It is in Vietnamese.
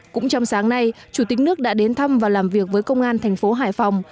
cũng trong sáng nay chủ tịch nước đã đến thăm và làm việc với công an thành phố hải phòng